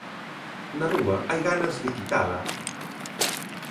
Na rúa hai ganas de quitala...